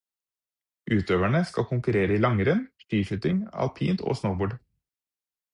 Utøverne skal konkurrere i langrenn, skiskyting, alpint og snowboard.